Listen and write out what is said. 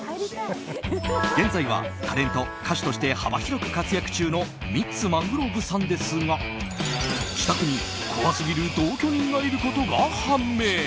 現在はタレント、歌手として幅広く活躍中のミッツ・マングローブさんですが自宅に怖すぎる同居人がいることが判明。